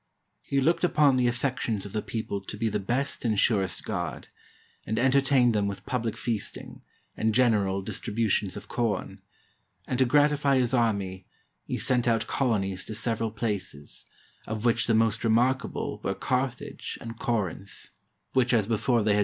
He looked upon the affections of the people to be the best and surest guard, and entertained them with public feasting, and general distributions of com; and to gratify his army, he sent out colonies to several places, of which the most remarkable were Carthage and Corinth; which as before they had been ^ From Plutarch's Lives.